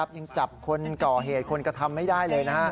ยังจับคนก่อเหตุคนกระทำไม่ได้เลย